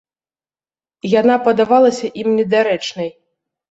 Яна падавалася ім недарэчнай.